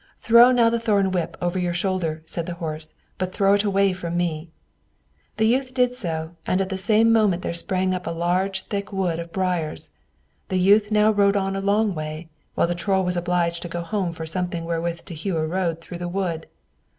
"Throw now the thorn whip over your shoulder," said the horse, "but throw it far away from me." The youth did so, and at the same moment there sprang up a large thick wood of briars. The youth now rode on a long way, while the Troll was obliged to go home for something wherewith to hew a road through the wood.